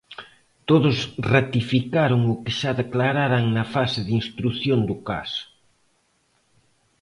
Todos ratificaron o que xa declararan na fase de instrución do caso.